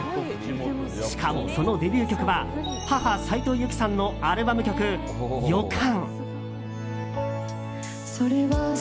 しかも、そのデビュー曲は母・斉藤由貴さんのアルバム曲「予感」。